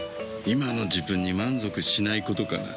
今の自分に満足しないことかな。